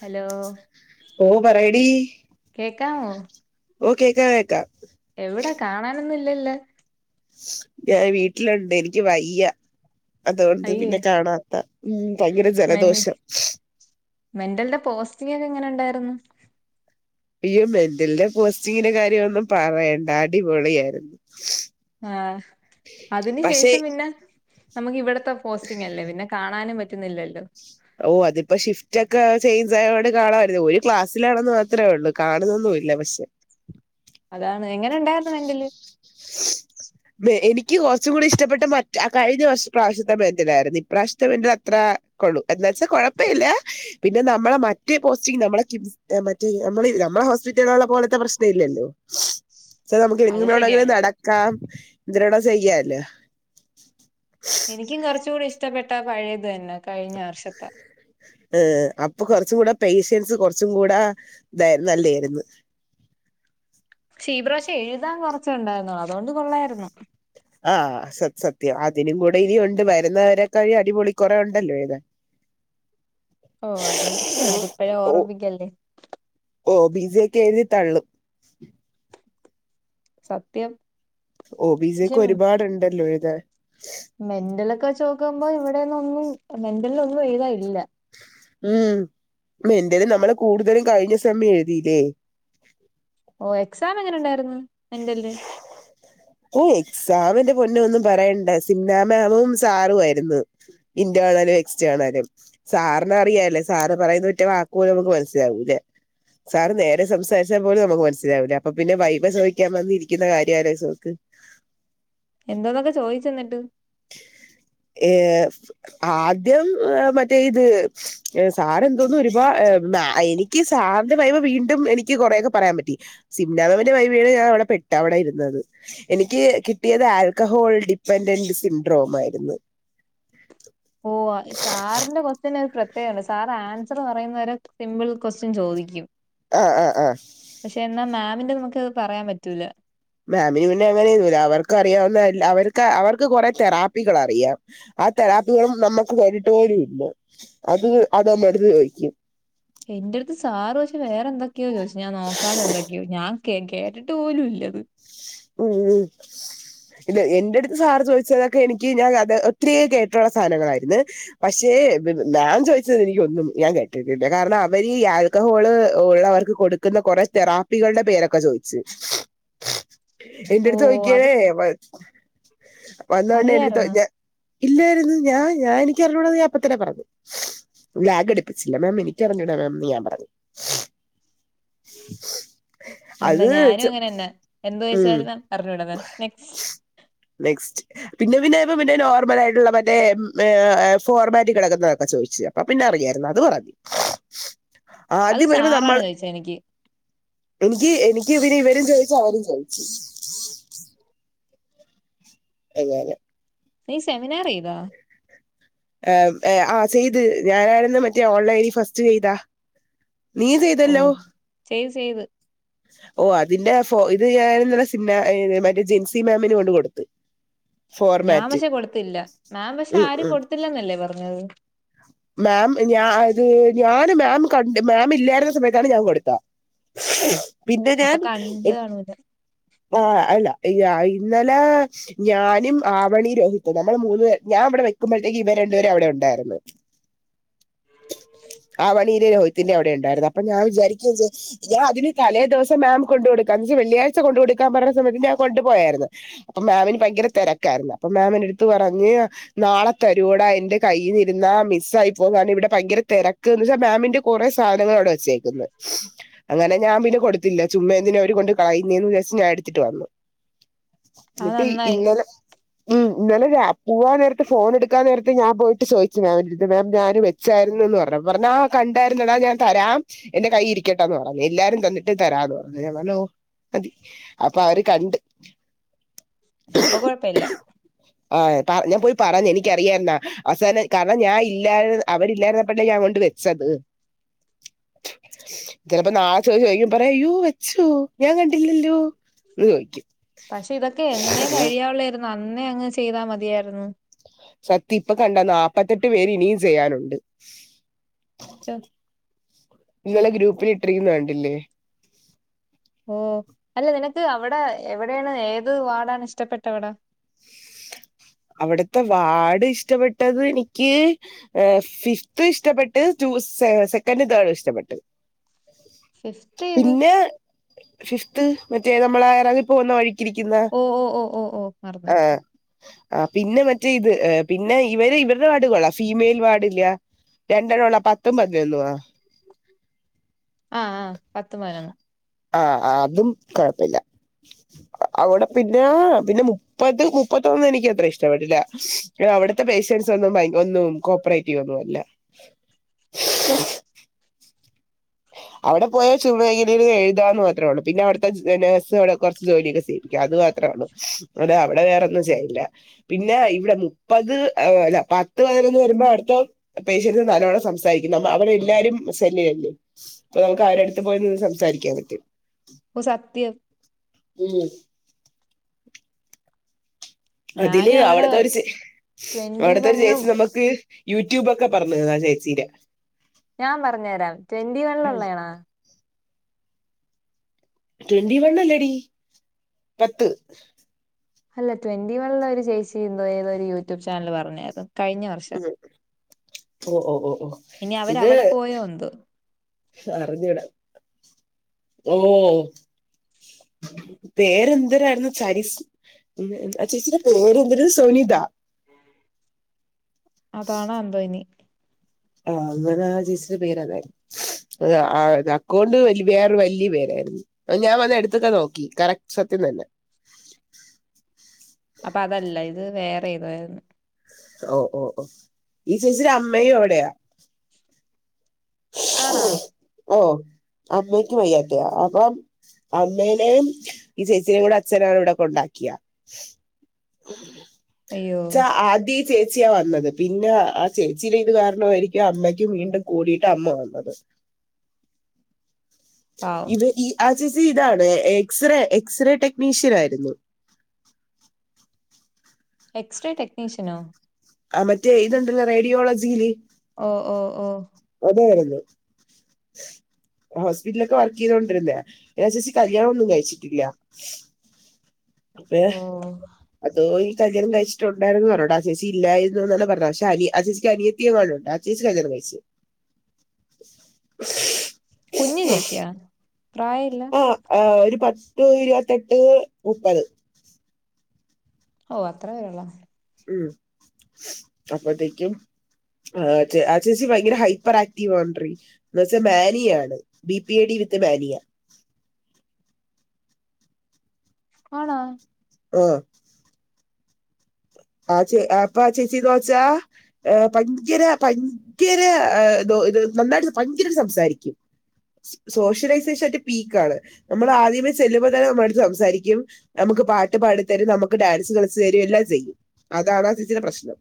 Hello ഓ പറയടി കേക്കാമോ? ഓ കേക്കാ കേക്കാം എവിടാ കാണാനൊന്നും ഇല്ലല്ലോ? ഞാൻ വീട്ടിലുണ്ട് എനിക്ക് വയ്യ അതോടുന്ന് അയ്യേ പിന്നെ കാണാത്ത ഉം ഭയങ്കര മെൻ ജലദോഷം മെന്റലിന്റെ പോസ്റ്റിംഗൊക്കെ എങ്ങനെണ്ടായിരുന്നു? അയ്യോ മെന്റലിന്റെ പോസ്റ്റിങ്ങിന്റെ കാര്യം ഒന്നും പറയണ്ട. അടിപൊളിയാരുന്നു ആ അതിന് ശേഷം പിന്നെ നമുക്ക് ഇവിടത്തെ പോസ്റ്റിംഗ അല്ലേ പിന്നെ കാണാനും പറ്റും പറ്റുന്നില്ലല്ലോ ഓ അതിപ്പോ ഷിഫ്റ്റ് ഒക്കെ ചേഞ്ച് ആയോട് കാണാമായിരുന്നു ഒരു ക്ലാസ്സിലാണെന്ന് മാത്രേ ഉള്ളൂ. കാണുന്നൊന്നുംല്ല പക്ഷെ അതാണ് എങ്ങനെ ഇണ്ടായിരുന്നു മെന്റല്? എനിക്ക് കുറച്ചും കൂടി ഇഷ്ടപ്പെട്ട മറ്റ ആ കാഴ് കഴിഞ്ഞ പ്രാവശ്യത്തെ [unintelligible] ഇപ്രാവശ്യത്തെ [unintelligible] അത്ര കൊളളും എന്നവച്ചാ കെഴപ്പില്ല പിന്നെ നമ്മളെ മറ്റേ പോസ്റ്റിഗ് നമ്മെളെ കിംസ് മറ്റേ നമ്മൾ നമ്മളെ ഹോസ്പിറ്റലുള്ള പോലത്തെ പ്രശ്നം ഇല്ലല്ലോ [unintelligible] നമുക്ക് എങ്ങനെ അത് വേണങ്കിലും ശരിയാണ് നടക്കാം എന്തിനണ ചെയ്യാല്ലേ എനിക്കും കുറച്ചുകൂടെ ഇഷ്ടപ്പെട്ട അ പഴയേതന്നെ കഴിഞ്ഞ വർഷത്തെ ഏ അപ്പൊ കുറച്ചും കൂടെ പേഷ്യൻസ് കുറച്ചും കൂടെ തായി നല്ലതായിർന്ന് ക്ഷീപ്രാവശം എഴുതാൻ കൊറച്ചുണ്ടായിരുന്നു അതുകൊണ്ട് കൊള്ളായിരുന്നു ആഹ സത്യം അതിനും കൂടെ ഇനി ഉണ്ട് വരുന്നവരെക്കഴി അടിപൊളി കുറെ ഉണ്ടല്ലോ എഴുതാൻ ഓ അത് അതിപ്പഴെ ഓ ഓർമ്മിപ്പിക്കല്ലേ ഓ ബി സി ഒക്കെ എഴുതി തള്ളും സത്യം ഓ ബി സി പക്ഷെ ഒക്കെ ഒരുപാടുണ്ടല്ലോ എഴുതാൻ മെന്റലെക്കെ വെചോക്കുമ്പോ ഇവിടെ ഒന്നെ ഒന്നും മെന്റൽ ഒന്നും എഴുതാ ഇല്ല ഉം എന്റേത് നമ്മള് കൂടുതലും കഴിഞ്ഞ സമയം എഴുതിയില്ലേ ഓ എക്സാം എങ്ങനെ ഇണ്ടായിരുന്ന് മെന്റൽല് ഓഹ് എക്സാമ് ന്റെ പൊന്ന്വോ ഒന്നും പറയണ്ട. സിംനാ മേമും സാറുവായിരുന്ന് ഇൻ്റെണല് എക്സ്റ്റേണല് സാറിന അറിയല്ലേ സാറ് പറയുന്ന ഒറ്റ വാക്ക് പോലും നമുക്ക് മനസ്സിലാവൂല്ല. സാറ് നേരെ സംസാരിച്ചാപോലും നമുക്ക് മനസിലാവില്ല. അപ്പോ പിന്നെ വൈബ ചോദിക്കാൻ വന്നി [unintelligible] കാര്യം ആലോയിച്ചുനോക്ക്. എന്തോക്കൊക്കെ ചോയിച് ഇന്നിട്ട് ഏഹ് ആദ്യം മറ്റേ ഇത് സാറ് എന്തോന്നും ഒരുപാ എനിക്ക് ഇക്ക് [unintelligible] വീണ്ടും എനിക്ക് കെറേയ്ക്കെ പറയാൻ പറ്റി. [unintelligible] വൈവീണ് ഞാൻ അവിടെ പെട്ട് അവിടെ ഇരുന്നത് എനിക്ക് കിട്ടിയത് ആൽക്കഹോൾ ഡിപ്പെൻഡന്റ് സിൻഡ്രോം ആയിരുന്നു ഓഹ് സാറിന്റെ ക്വസ്റ്റ്യന് ഒരു പ്രത്യേകതണ്ട് സാറ് ആൻസർ പറയുന്നവരെ സിമ്പിൾ ക്വസ്റ്റ്യൻ ചോദിക്കും ആഹ ആഹ ആഹ പക്ഷെ എന്നാ മാമിന്റെ നമുക്ക്ത് പറയാൻ പറ്റൂല മാമിന് പിന്നേ അങ്ങനെയൊന്നൂല്ല. അവർക്ക് അറിയാവുന്ന അവര്ക്ക് അവർക്ക് കൊറേ തെറാപ്പികൾ അറിയാം. ആ തെറാപ്പികളും നമ്മുക്ക് കണ്ടിട്ട് പോലും ഇല്ല അത് അത് നമ്മ എടുത്ത് ചോദിക്കും എന്റെടുത്ത് സാറ് ചോദിച്ച് വേറെന്തക്കെയോ ചോയിച്ച് ഞാൻ നോക്കാത എന്തൊക്കെയോ ഞാൻ കേട്ടിട്ട് പോലുംല്ലത് ഉം ഇത് എന്റെടുത്ത് സാറ് ചോദിച്ചതൊക്കെ എനിക്ക് ഞാൻ അത് ഒത്തിരിയ കേട്ടുള്ള സാനങ്ങളായിരുന്നെ പക്ഷേ ഞാൻ ചോദിച്ചത് എനിക്കൊന്നും ഞാൻ കേട്ടിട്ടില്ല. കാരണം അവര് ക്കഹോള് ഉള്ളവർക്ക് കൊടുക്കുന്ന കുറെ തെറാപ്പികളുടെ പേരൊക്കെ ചോദിച്ച് ഓ എന്റെടുത്ത് അത് ചോയ്ക്കാണേ [unintelligible] വന്നോണ്ട് എൻ്റെടുത്ത് അറിയായിരുന്നു ഞ ഇല്ലായിരുന്നു ഞാൻ ഞാൻ എനിക്കറിഞ്ഞൂട ഞാൻഅപ്പത്തന്നെ പറഞ്ഞു. ലാഗ് അടുപ്പിച്ചില്ല മാം എനിക്കറിഞ്ഞുടാ മാം ന്ന് ഞാൻ പറഞ്ഞു നന്ന് അത് ഞാനും ചെ- അങ്ങനെന്നെ എന്ത് ഉം ചോയ്ച്ചാലും അറിഞ്ഞൂടാ മാം നെക്സ്റ്റ് നെക്സ്റ്റ് പിന്നെ പിന്നെ ഇപ്പ പിന്നെ നോർമലായിട്ടുള്ള മറ്റേ ഉം ഏഹ് ഏഹ് ഫോർമാറ്റ് കിടക്കുന്നതൊക്കെ ചോയ്ച്ച് അപ്പ പിന്നെ അറിയായിരുന്നു അത് പറതി അത് നമ്മൾ സാറാണ് ചോയിചെനിക്കി എനിക്ക് എനിക്ക് പിന്നെ ഇവരും ചോദിച്ചു. അവരും ചോയ്ച്ചു. [unintelligible] അതേല്ലേ നീ സെമിനാറീതാ? ആഹ് ഏഹ് ആഹ് സെയ്ത് ഞാനായിരുന്നു മറ്റേ ഓൺലൈനിൽ ഫസ്റ്റ് ചെയ്ത നീ ഓ ചെയ്തല്ലോ ചെയ്ത് ചെയ്ത് ഓ അതിന്റെ ഫോ ഇത് ഞാനിന്നലേ സിംന ഏഹ് മറ്റേ ജിൻസി മാമിന് കൊണ്ട് കൊടുത്തു ഞാൻ പക്ഷേ കൊടുത്തില്ല. മാം പക്ഷേ ഉം ആരും ഉം കൊടുത്തില്ലന്നല്ലേ പറഞ്ഞത്? മാം ഞ അത് ഞാന് മാം കണ്ട് മാം ഇല്ലായിരുന്ന സമയത്താണ് ഞാൻ കൊടുത്ത പിന്നെ അപ്പൊ ഞാൻ കണ്ട് കാണൂല ആ അല്ല ഇന്നലെ ഞാനും ആവണി രവി നമ്മൾ മൂന്ന് ഞാൻ ഇവടെ വെക്കുമ്പഴേത്തേക്ക് ഇവര് രണ്ട്പേര് അവടേണ്ടായിരുന്നു ആവണിരെ രോഹിത്തിന്റെ അവിടെ ഉണ്ടായിരുന്നു അപ്പൊ ഞാൻ വിചാരിക്കും ചെ ഞാൻ അതിന് തലേ ദിവസം മാം കൊണ്ടുകൊടുക്കാംന്ന് ഞ്ച് വെള്ളിയാഴ്ച കൊണ്ടുകൊടുക്കാൻ പറഞ്ഞ സമയത്ത് ഞാൻ കൊണ്ടുപോയായിരുന്ന് അപ്പ മാമിന് ഭയങ്കര തെരക്കായിരുന്നു. അപ്പ മാം എന്റെടുത്ത് പറഞ്ഞ് നാളെ തരൂട എന്റെ കയ്യിൽരുന്നാ മിസ് ആയി പോകുന്നതാണ് ഇവിടെ ഭയങ്കര തിരക്ക് എന്ന് വച്ചാ മാമിന്റെ കെറെ സാനങ്ങളവിടെ വെ ച്ചേക്കുന്നേ അങ്ങനെ ഞാൻ പിന്നെ കൊടുത്തില്ല. ചുമ്മാ എന്തിനാ അവര് കൊണ്ട് കളയുന്നേന്ന്‌ വിചാരിച്ച് ഞാൻ എടുത്തിട്ട് വന്നു. അത് ന്ന്ട്ട് നന്നായി ഇന്നലെ ഉം ഇന്നലെ പൂവാൻ നേരത്തെ ഫോൺ എടുക്കാൻ നേരത്തെ ഞാൻ പോയിട്ട് ചോദിച്ചു മാം ന്റെട്ത്ത് മാം ഞാൻ വെ ചാരുന്നു എന്ന് പറഞ്ഞു പറഞ്ഞാ കണ്ടായിരുന്നടാ ഞാൻ തരാം. എന്റെ കൈ ഇരിക്കട്ടാ എന്ന് പറഞ്ഞ് എല്ലാരും തന്നിട്ട് തരാന്ന് പറഞ്ഞു ഞാൻ പറഞ്ഞു ഒ അപ്പൊ അവര് കണ്ട് അപ്പൊ കൊഴപ്പില്ല ആഹ് പ ഞാൻ പോയി പറഞ്ഞു എനിക്കറിയാരുന്നാ അവസാനം കാരണം ഞാൻ ഇല്ലായ് അവരില്ലായിരുന്നപ്പന്നേ ഞാൻ കൊണ്ടുവെ സത് [inaudible] ചിലപ്പോ നാളെ ചോദ്യം ചോദിക്കുമ്പം പറയു യ്യോ വെച്ചോ ഞാൻ ക പക്ഷെ ഇതൊക്കെ എന്നെ കഴിയുള്ളായിരുന്നു അന്നേ അങ്ങ് ചെയ്താ മതിയായിരുന്നു സത്യ ഇപ്പ കണ്ടാ നാപ്പത്തെട്ട് പേര് ഇനിയും ചെയ്യാനുണ്ട് [unintelligible] നിങ്ങളെ ഗ്രൂപ്പിൽ ഇട്ടിരിക്കുന്നെ കണ്ടില്ലേ ഓ അല്ല നിനക്ക് അവിടെ എവിടെയാണ് ഏത് വാടാണ് ഇഷ്ടപ്പെട്ട അവടെ അവിടത്തെ വാട് ഇഷ്ടപ്പെട്ടത് ഇനിക്ക് എ ഫിഫ്ത് ഇഷ്ടപ്പെട്ട് റ്റു സെ സെക്കൻ്റ് തേർഡും ഇഷ്ടപ്പെട്ട് ഫിഫ്ത് ഏത് പിന്നെ ഫിഫ്ത് മറ്റേ നമ്മളെ ഇറങ്ങി പോകുന്ന വഴി രിക്കുന്ന ഓ ഓ ഓ ഓ ഓ മറന്നുപോയി ആഹ് ആ പിന്നെ മറ്റേ ഇത് പിന്നെ ഇവര് ഇവരുടെ വാർഡ് കൊള്ളാ ഫീമെയിൽ വാർഡ് ഇല്ലേ രണ്ടെണൊള്ളൂ പത്തും പതിനൊന്നാ ആഹ ആഹ് പത്ത് പനിനൊന്ന് ആഹ അതും കുഴപ്പില്ല. അവിടെ പിന്നെ പിന്നെ മുപ്പത് മുപ്പത്തൊന്ന് എനിക്ക് ഇഷ്ടപ്പെട്ടില്ല അവിടുത്തെ പേഷ്യൻസ് ഒന്നും ഭയ ഒന്നും കോപ്പറേറ്റീവ് ഒന്നും അല്ല [unintelligible] അവിടെ പോയാ ചുമ ങ്ങനെര്ന്ന് എഴുതാന്ന് മാത്രേള്ളൂ പിന്നെ അവിടുത്തെ നേഴ്സ് അവിടെ കുറച്ച് ജോലിയൊക്കെ സേവപ്പിക്കും അത് മാത്രണു അത അവിടെ വേറൊന്നും ചെയ്യില്ല. പിന്നെ ഇവിടെ മുപ്പത് അല്ല പത്ത് പതിനൊന്ന് വരുമ്പോ അവിടത്ത പേഷ്യൻസ് നല്ലോണം സംസാരിക്കണം അവരെ എല്ലാരും. [unintelligible] അപ്പൊ നമുക്ക് ആരുടെ അടുത്ത് പോയി നിന്ന് സംസാരിക്കാൻ പറ്റും. സത്യം ഉം അതില് ഞാനും അവിടെ അവിടത്തെ ഒരു ച ട്വന്റി അവിടത്തെ ഒരു വണ്ണും ചേച്ചി നമുക്ക് യൂട്യൂബോക്കെ പറഞ്ഞു ആ ചേച്ചീടെ ഞാൻ പറഞ്ഞുതരാം ട്വന്റി ഉം വണ്ലുള്ളതണോ? ട്വന്റി വൺ അല്ലെടി പത്ത് അല്ല ട്വന്റി വണ ഒരു ചേച്ചി ഏതൊ ഒരു യൂട്യൂബ് ചാനൽ പറഞ്ഞാരുന്നു കഴിഞ്ഞ വർഷം ഉം ഓ ഓ ഓ ഓ ഇനി അവരവിടെ പോയ ഒന്ത് അറിഞ്ഞുകുടാ ഓ പേരെന്തെരാരുന്നു ചരിസു ഉ ആ ചേച്ചിന്റെ പേര്ന്തത് സുനിത അതാണ് അന്തോനി. ആ അങ്ങനെ ആ ചേച്ചീടെ പേരതായിരുന്നു അത അ അക്കൊണ്ട് വല്യേ വേറെരു വലിയ പേരായിരുന്നു ഞാൻ വന്ന എടുതോക്കെ നോക്കി കറക്റ്റ് സത്യം തന്നെ അപ്പൊ അതല്ല ഇത് വേറെ ഇതുയിരുന്നു ഓ ഓ ഓ ഈ ചേച്ചിയുടെ അമ്മയും അവിടെയാ ആണോ [unintelligible] ഓ അമ്മക്ക് വയ്യത്തയാ അപ്പൊ അമ്മേനും ഈ ചേച്ചിയേും കൂടെ അച്ഛനാണ് ഇവിടെ കൊണ്ടാക്കിയാ അയ്യോ ച ആദി ചേച്ചിയാ വന്നത് പിന്നെ ആ ചേച്ചിയയില ഇത് കാരണമായിരിക്കും അമ്മയ്ക്കും വീണ്ടും കൂടിട്ട് അമ്മ വന്നത് പാവം ഇത് ഈ ആർ സി സി ഇതാണ് എക്സ്റേ എക്സ്റേ ടെക്നീഷ്യൻ ആയിരുന്നു. എക്സ്റേ ടെക്നീഷ്യനോ ആ മറ്റേ ഇത്ണ്ടല്ല റേഡിയോളജിയില് ഓ ഓ ഓ അതാ വരുന്നു ഹോസ്പിറ്റലൊക്കെ വർക്ക് ചെയ്തോണ്ടിരുന്നേ ആ ചേച്ചി കല്യാണം ഒന്നും കഴിച്ചിട്ടില്ല. [inaudible] ഓ [unintelligible] അതോ ഈ കല്യാണം കഴിച്ചിട്ടുണ്ടായിരുന്നുന്ന് പറഞ്ഞോ ആ ചേച്ചി ഇല്ലായിരുന്നുന്ന് എന്നാണ് പറഞ്ഞ പക്ഷെ അ [unintelligible] അനിയത്തിയങ്ങാനുംണ്ട്. ചേച്ചി കല്യാണം കഴിച്ചോ? [inaudible] കുഞ് ചേച്ചിയാ പ്രായല്ല ആ ആ ഒരു പത്ത് ഇരുപത്തെട്ട് മുപ്പത് ഓ അത്രയുള്ളോ? ഉം അപ്പത്തേക്കും ആ ചേച്ചി ഭയങ്കര ഹൈപ്പർ ആക്റ്റീവ് ആണ് ണ്ടറി. എന്ന വച്ചാ മാനിയാണ് B P A D with mania ആണോ ആഹ് ആ ചേ അപ്പ ചേച്ചി കൊച്ചാ അ് ഭയങ്കര ഭയങ്കര [unintelligible] നന്നായിട്ട് ഭയങ്കര സംസാരിക്കും. സോഷ്യലൈസേഷൻറ്റ പീക്ക ആണ് നമ്മൾ ആദ്യമേ ചെല്ലുമ്പോൾ തന്നെ നമ്മായിട്ട് സംസാരിക്കും നമുക്ക് പാട്ട് പാടി തരും നമുക്ക് ഡാൻസ് കളിച്ചു തരും എല്ലാം ചെയ്യും. അതാണ് ആ ചേച്ചിന്റെ പ്രശ്നം.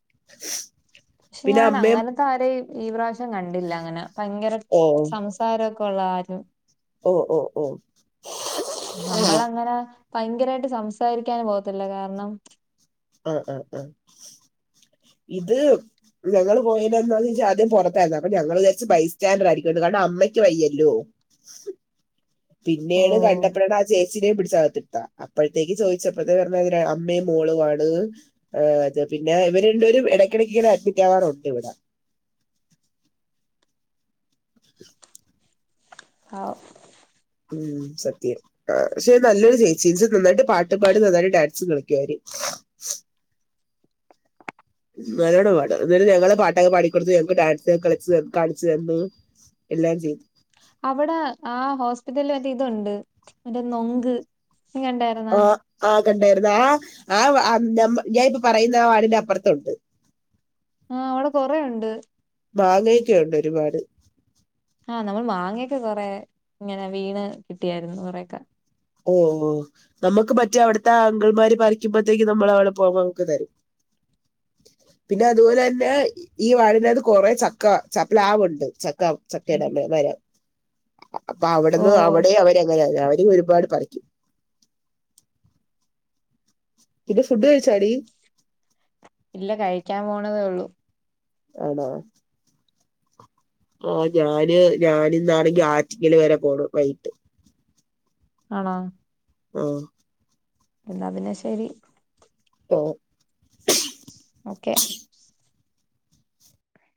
[unintelligible] പക്ഷെ പിന്നെ ഞാൻ അമ്മയും അങ്ങനത്തെ ആരെയ ഈ പ്രാവശ്യം കണ്ടില്ല അങ്ങനെ ഭയങ്കര ഓ പാരൊക്കെള്ളാരും ഓ ഓ ഓ ആഹ് നമ്മളങ്ങനെ ഭയങ്കരായിട്ട് സംസാരിക്കാന് പോകത്തില്ല കാരണം ആഹ ആഹ് ആഹ് ഇത് ഞങ്ങള് പോയാന്ന ജാദ്യം പുറത്തായിരുന്നു അപ്പൊ ഞങ്ങൾ വിചരിച്ചു ബസ് സ്റ്റാൻഡർ ആയിരിക്കും ന്ന് കാരണം അമ്മയ്ക്ക് വയ്യല്ലോ. [inaudible] ഓ പിന്നെയാണ് കണ്ടപ്പര ചേച്ചിനെ പിടിച്ച അകത്തിത്ത അപ്പോഴത്തേക്ക് ചോദിച്ചപ്പോഴത്തെേ പറഞ്ഞ അതി അമ്മയും മോളുണ് അ പിന്നെ ഇവരെണ്ടും ഇടക്കിടക്ക ഇങ്ങനെ അഡ്മിറ്റ് ആവാറുണ്ട് ഇവിടെ ആവു ഉം സത്യം ആ പക്ഷെ നല്ലൊരു ചേച്ചി നന്നായിട്ട് പാട്ടും പാട്ടി നന്നായിട്ട് ഡാൻസും കളിക്കു നല്ലോണ്ണം പാടും ന്നാലും ഞങ്ങള് പാട്ടൊക്കെ പടിക്കൊടുത്ത് ഞങ്ങക്ക് ഡാൻസ് കളിച്ച് കാണ്ച്ചു തന്നു എല്ലാം ചെയ്തു. അവിടെ ആ ഹോസ്പിറ്റലിൽ മറ്റേ ഇതുണ്ട് മറ്റേ നൊങ്ക് നി കണ്ടായിരുന്നാ. ആഹ കണ്ടായിരുന്നു ആ ആ ഞാൻ പ്പ പറയുന്ന ആ വാടിന്റെ അപ്പുറത്തുണ്ട്. ആഹ് അവിടെ കൊറെണ്ട് മാങ്ങയൊക്കെുണ്ട് ഒരുപാട്. ആഹ നമ്മൾ മാങ്ങയൊക്കെ കൊറെ ഇങ്ങനെ വീണ് കിട്ടിയായിരുന്നു കുറെയൊക്കെ ഓഹ് ഓ നമുക്ക് മറ്റേ അവിടുത്തെ ആ അങ്കിൾമാര് പറിക്കുമ്പോഴത്തേക്ക് നമ്മൾ അവടെ പോകുമ്പ നമുക്ക് തരും പിന്നെ അതുപോലെ തന്നെ ഈ വാടിനകത്ത് കുറേ ചക്ക ചപ്പല പ്ലാവുണ്ട് ചക്ക് ചക്കേട അമ്മ മരം അപ്പൊ ഓ അവിടെന്ന് അവിടെയും അവര്ങ്ങനെ അവര ഒരുപാട് പറിക്കും ഇത് ഫുഡ് കഴിച്ചോടി. ഇല്ല കഴിക്കാൻ പോണതേ ഉള്ളൂ ആണാ ആ ഞാന് ഞാനിന്നാണെങ്കി ആറ്റിങ്ങല് വരെ പോണ്. വൈകിട്ട് ആണോ? ആഹ എന്നാ പിന്നെ ശരി ഓ ഓക്കെ